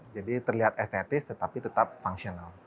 jadi terlihat estetis tetapi tetap fungsional